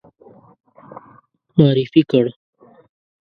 معرفي کړ.